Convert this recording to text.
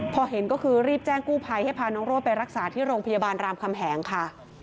พอเห็นก็คือรีบแจ้งกู้ภัยให้พาน้องโรดไปรักษาที่โรงพยาบาลรามคำแหงค่ะ